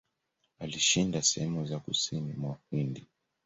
Alishinda sehemu za kusini mwa Uhindi.